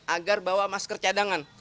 agar bawa masker cadangan